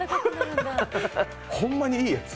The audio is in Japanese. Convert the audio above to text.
ほんまにいいやつ！